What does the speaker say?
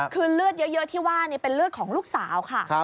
คือเลือดเยอะที่ว่าเป็นเลือดของลูกสาวค่ะ